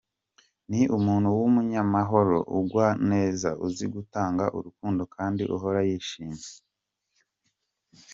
Ni umuntu w’umunyamahoro, ugwa neza, uzi gutanga urukundo kandi uhora yishimye.